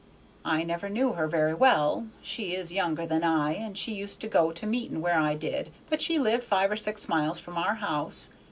"I never knew her very well; she is younger than I, and she used to go to meeting where I did, but she lived five or six miles from our house.